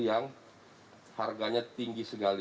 yang harganya tinggi sekali